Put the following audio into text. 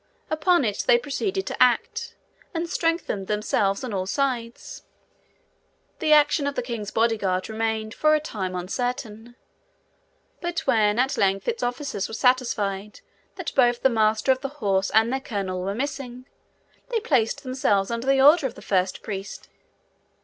Upon it they proceeded to act, and strengthened themselves on all sides. The action of the king's bodyguard remained for a time uncertain. But when at length its officers were satisfied that both the master of the horse and their colonel were missing, they placed themselves under the orders of the first priest.